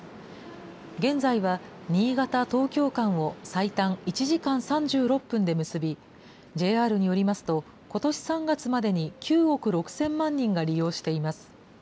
現在は、新潟・東京間を最短１時間３６分で結び、ＪＲによりますと、ことし３月までに９億６０００万人が利用しています。